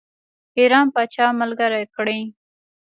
ایران پاچا ملګری کړي.